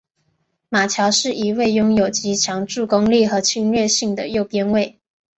马乔是一位拥有极强助攻力和侵略性的右边卫。